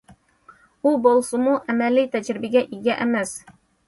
ئۇ بولسىمۇ ئەمەلىي تەجرىبىگە ئىگە ئەمەس.